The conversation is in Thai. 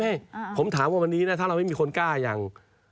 ให้ผมถามว่าวันนี้นะถ้าเราไม่มีคนกล้าอย่าง